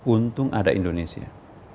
untung ada indonesia